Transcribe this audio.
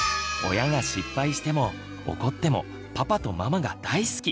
親が失敗しても怒ってもパパとママが大好き！